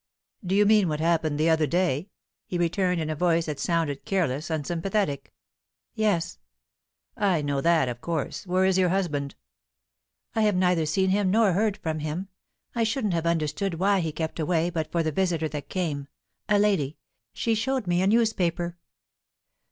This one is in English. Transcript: "Do you mean what happened the other day?" he returned, in a voice that sounded careless, unsympathetic. "Yes." "I know that, of course. Where is your husband?" "I have neither seen him nor heard from him. I shouldn't have understood why he kept away but for the visitor that came a lady; she showed me a newspaper."